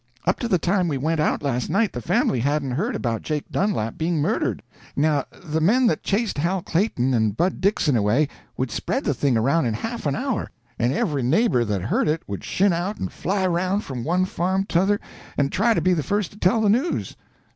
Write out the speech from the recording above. Up to the time we went out last night the family hadn't heard about Jake Dunlap being murdered. Now the men that chased Hal Clayton and Bud Dixon away would spread the thing around in a half an hour, and every neighbor that heard it would shin out and fly around from one farm to t'other and try to be the first to tell the news.